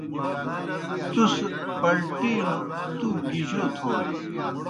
تُس پلٹِیلوْ تُوک گیْ جوْ تَھوئے؟